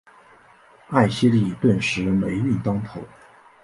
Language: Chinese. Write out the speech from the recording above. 艾希莉顿时霉运当头。